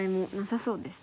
そうですね。